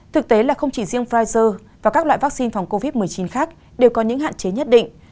thực tế là không chỉ riêng pfizer và các loại vaccine phòng covid một mươi chín khác đều có những hạn chế nhất định